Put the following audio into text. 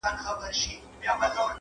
خر د خوني په مابین کي په نڅا سو-